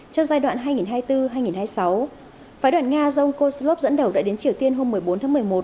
trong giai đoạn hai nghìn hai mươi bốn hai nghìn hai mươi sáu phái đoạn nga giống kozlov dẫn đầu đợi đến triều tiên hôm một mươi bốn tháng một mươi một